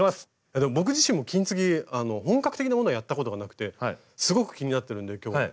僕自身も金継ぎ本格的なものをやったことがなくてすごく気になってるんで今日は菅さん